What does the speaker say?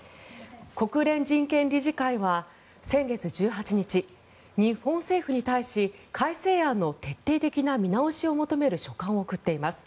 国連人権理事会は先月１８日日本政府に対し改正案の徹底的な見直しを求める書簡を送っています。